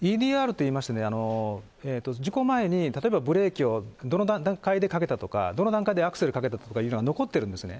といいましてね、事故前に例えばブレーキをどの段階でかけたとか、どの段階でアクセルかけたというのは残ってるんですね。